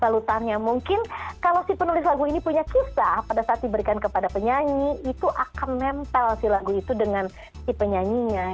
balutannya mungkin kalau si penulis lagu ini punya kisah pada saat diberikan kepada penyanyi itu akan nempel si lagu itu dengan si penyanyinya